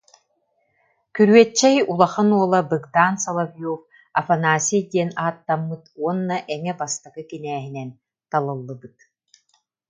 Күрүөччэй улахан уола Быгдаан Соловьев Афанасий диэн ааттаммыт уонна Эҥэ бастакы кинээһинэн талыллыбыт